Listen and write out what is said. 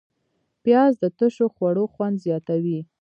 پیاز د تشو خوړو خوند زیاتوي